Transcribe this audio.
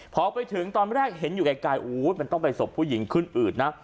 พอไปถึงตอนแรกเห็นอยู่ไกลมันต้องไปศพผู้หญิงขึ้นอืดนะ